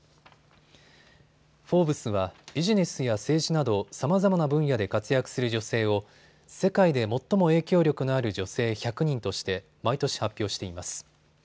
フォーブスはビジネスや政治などさまざまな分野で活躍する女性を世界で最も影響力のある女性１００人として毎年、発表しています。